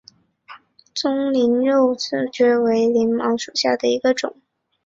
棕鳞肉刺蕨为鳞毛蕨科肉刺蕨属下的一个种。